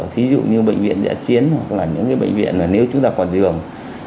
thí dụ như bệnh viện dạ chiến hoặc là những cái bệnh viện là nếu chúng ta còn dường